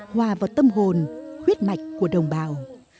hòa vào tâm hồn khuyết mạch của đồng bào